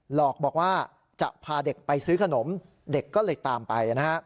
หลอกบอกว่าจะพาเด็กไปซื้อขนมเด็กก็เลยตามไปนะฮะ